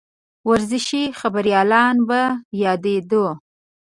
ورزشي خبریالان به یادېدوو.